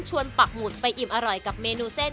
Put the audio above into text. ความหอมของเส้น